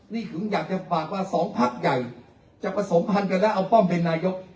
นี่ถึงอยากจะฝากว่าสองพักใหญ่จะผสมพันธ์กันแล้วเอาป้อมเป็นนายก